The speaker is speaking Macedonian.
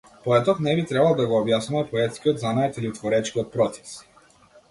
Поетот не би требал да го објаснува поетскиот занает или творечкиот процес.